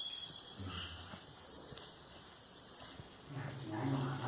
やる気ないのかな。